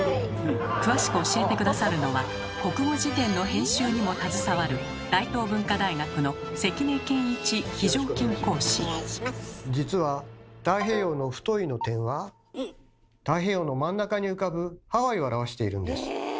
詳しく教えて下さるのは国語辞典の編集にも携わる実は太平洋の「太」の点は太平洋の真ん中に浮かぶハワイを表しているんです。